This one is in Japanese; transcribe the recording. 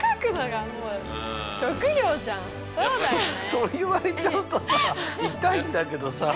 そう言われちゃうとさ痛いんだけどさ。